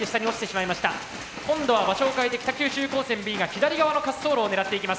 今度は場所を変えて北九州高専Ｂが左側の滑走路を狙っていきます。